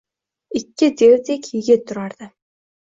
Ikki devdek yigit turardi